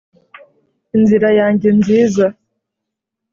inzira yanjye nziza